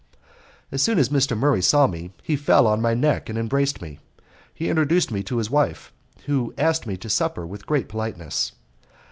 As soon as Mr. Murray saw me, he fell on my neck and embraced me. He introduced me to his wife, who asked me to supper with great politeness.